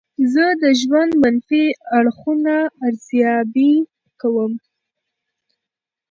زه د ژوند منفي اړخونه ارزیابي کوم.